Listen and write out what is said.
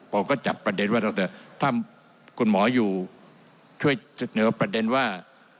ผมก็จับประเด็นว่าถ้าคุณหมออยู่ช่วยเสนอประเด็นว่า